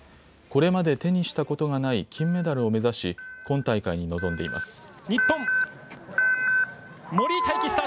これまで手にしたことがない金メダルを目指し今大会に臨んでいます。